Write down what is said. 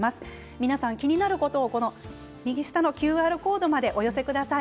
皆さん、気になること右下のＱＲコードまでお寄せください。